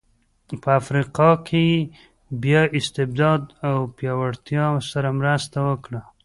په افریقا کې یې بیا استبداد او پیاوړتیا سره مرسته وکړه.